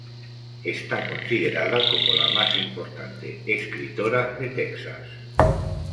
Está considerada como la más importante escritora de Texas.